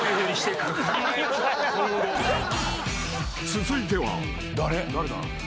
［続いては］